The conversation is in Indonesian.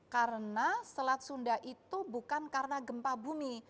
karena selat sunda itu bukan karena gempa bumi